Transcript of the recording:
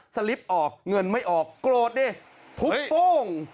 สลิปออกเงินไม่ออกโกรธดิทุบโป้ง